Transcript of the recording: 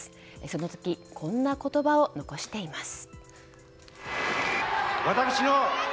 その時こんな言葉を残しています。